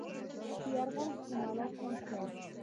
د یرغل احتمالات کم شول.